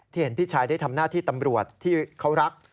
เห็นพี่ชายได้ทำหน้าที่ตำรวจที่เขารัก